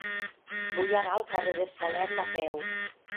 Vull anar al carrer de Salern a peu.